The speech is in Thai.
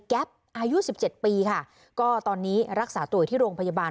แป๊บอายุสิบเจ็ดปีค่ะก็ตอนนี้รักษาตัวอยู่ที่โรงพยาบาล